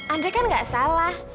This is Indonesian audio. andre kan gak salah